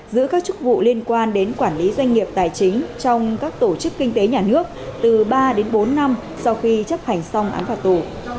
giữ các chức vụ liên quan đến quản lý doanh nghiệp tài chính trong các tổ chức kinh tế nhà nước từ ba đến bốn năm sau khi chấp hành xong án phạt tù